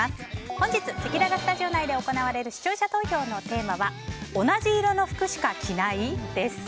本日せきららスタジオ内で行われる視聴者投票のテーマは同じ色の服しか着ない？です。